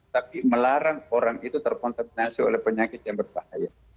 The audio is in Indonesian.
tapi melarang orang terpontaminasi oleh penyakit yang berbahaya